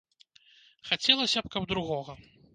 Хацелася б, каб другога.